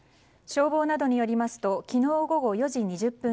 消防などによりますと昨日午後４時２０分